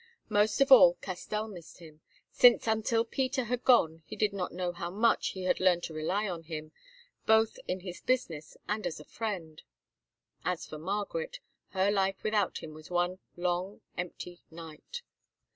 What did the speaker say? Most of all Castell missed him, since until Peter had gone he did not know how much he had learned to rely upon him, both in his business and as a friend. As for Margaret, her life without him was one long, empty night.